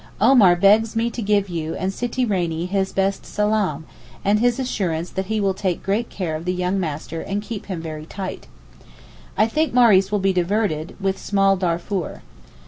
Omar begs me to give you and Sitti Rainie his best salaam, and his assurance that he will take great care of the young master and 'keep him very tight.' I think Maurice will be diverted with small Darfour.